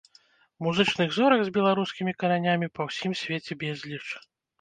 Музычных зорак з беларускімі каранямі па ўсім свеце безліч.